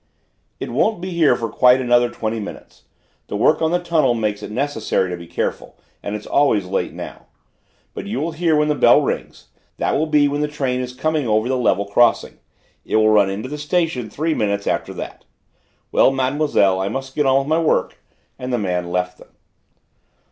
"It won't be here for quite another twenty minutes. The work on the tunnel makes it necessary to be careful, and it's always late now. But you will hear when the bell rings: that will be when the train is coming over the level crossing; it will run into the station three minutes after that. Well, Mademoiselle, I must get on with my work," and the man left them.